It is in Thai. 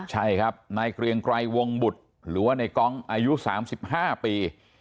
ใช่ครับนายเกรียงไกรวงบุตรหรือว่าในกองอายุ๓๕ปี